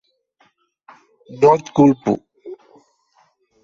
No et culpo.